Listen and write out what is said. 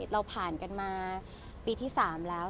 เราผ่านกันมาปีที่๓แล้ว